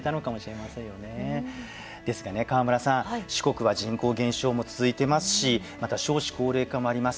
四国は人口減少も続いてますしまた少子高齢化もあります。